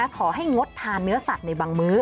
ขอให้งดทานเนื้อสัตว์ในบางมื้อ